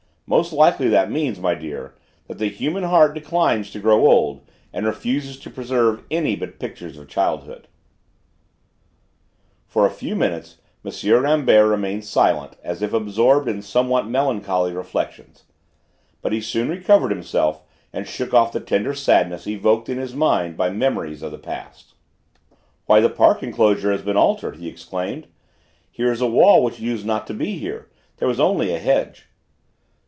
Most likely that means, my dear, that the human heart declines to grow old and refuses to preserve any but pictures of childhood." For a few minutes M. Rambert remained silent, as if absorbed in somewhat melancholy reflections. But he soon recovered himself and shook off the tender sadness evoked in his mind by memories of the past. "Why, the park enclosure has been altered," he exclaimed. "Here is a wall which used not to be here: there was only a hedge."